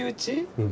うん。